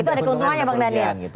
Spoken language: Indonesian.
itu ada keuntungannya pak dhani